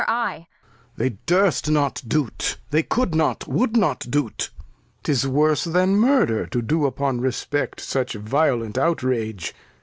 They durst not do't ; They cou'd not, wou'd not do't ; 'tis worse than Murder, To do upon Respect such violent Out rage.